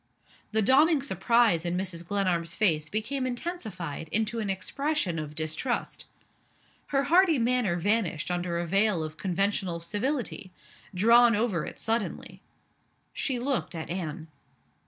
The dawning surprise in Mrs. Glenarm's face became intensified into an expression of distrust. Her hearty manner vanished under a veil of conventional civility, drawn over it suddenly. She looked at Anne.